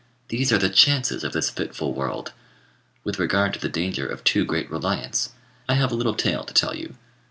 These are the chances of this fitful world. With regard to the danger of too great reliance, I have a little tale to tell you.